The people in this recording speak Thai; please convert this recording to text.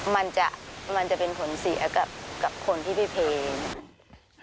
มันจะเป็นผลเสียกับคนที่พี่เพลง